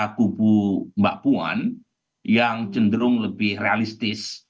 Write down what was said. untuk beroposisi tapi ada kubu mbak puan yang cenderung lebih realistis